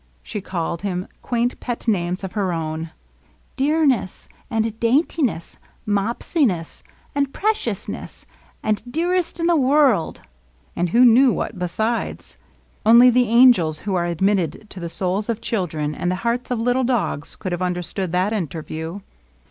She called him quaint^ pet names of her own, — "Deamess and "Daintiness," "Mopsiness" and " Preciousness," and " Dearest in the World," and who knew what besides ? Only the angels who are admitted to the souls of children and the hearts of little dogs could have understood that interview.